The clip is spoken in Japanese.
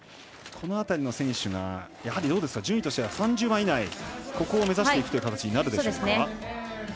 この辺りの選手が順位としては３０番以内、ここを目指していく形になるでしょうか。